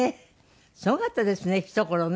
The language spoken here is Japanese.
すごかったですね一頃ね。